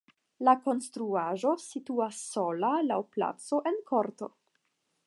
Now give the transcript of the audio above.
La konstruaĵo situas sola laŭ placo en korto.